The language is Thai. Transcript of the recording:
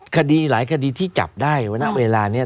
คดีหลายคดีที่จับได้ว่าณเวลานี้